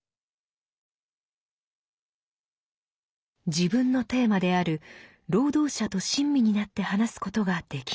自分のテーマである労働者と親身になって話すことができない。